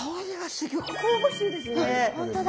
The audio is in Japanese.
本当だ。